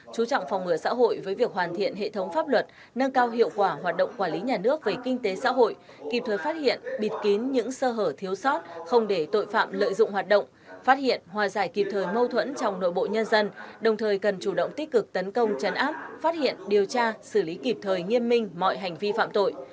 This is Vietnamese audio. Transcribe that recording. chú trọng phòng ngừa xã hội với việc hoàn thiện hệ thống pháp luật nâng cao hiệu quả hoạt động quản lý nhà nước về kinh tế xã hội kịp thời phát hiện bịt kín những sơ hở thiếu sót không để tội phạm lợi dụng hoạt động phát hiện hòa giải kịp thời mâu thuẫn trong nội bộ nhân dân đồng thời cần chủ động tích cực tấn công chấn áp phát hiện điều tra xử lý kịp thời nghiêm minh mọi hành vi phạm tội